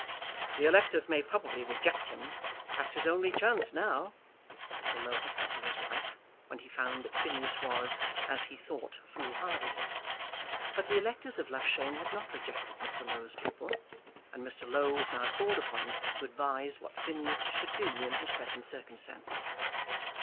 "The electors may probably reject him. That's his only chance now," Mr. Low had said to his wife, when he found that Phineas was, as he thought, foolhardy. But the electors of Loughshane had not rejected Mr. Low's pupil, and Mr. Low was now called upon to advise what Phineas should do in his present circumstances.